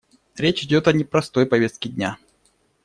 Речь идет о непростой повестке дня.